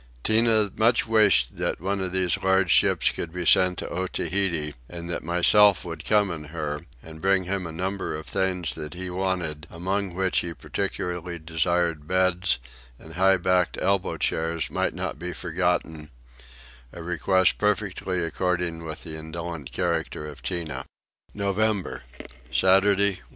Tinah much wished that one of these large ships should be sent to Otaheite and that myself should come in her, and bring him a number of things that he wanted; among which he particularly desired beds and high backed elbow chairs might not be forgotten: a request perfectly according with the indolent character of Tinah. November. Saturday 1.